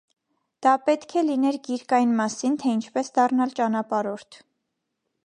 Դա պետք է լիներ գիրք այն մասին, թե ինչպես դառնալ ճանապարհորդ։